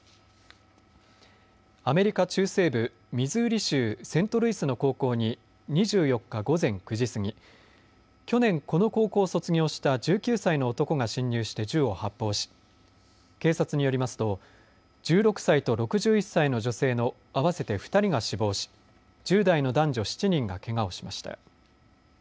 アメリカ中西部ミズーリ州セントルイスの高校に２４日午前９時過ぎ、去年この高校を卒業した１９歳の男が侵入して銃を発砲し警察によりますと１６歳と６１歳の女性の合わせて２人が死亡し１０代の男女７人がけがをしました。